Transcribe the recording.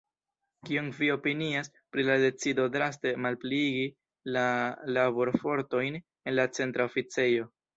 Kion vi opinias pri la decido draste malpliigi la laborfortojn en la Centra Oficejo?